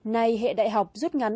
nay hệ đại học rút ngắn